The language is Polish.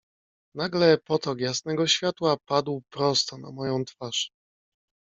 "Nagle potok jasnego światła padł prosto na moją twarz."